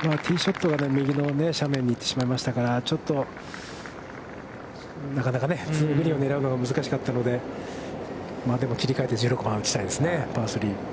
ティーショットが右の斜面に行ってしまいましたからちょっとなかなかね、狙うのが難しかったので、でも切りかえて１６番は打ちたいですね、パー３。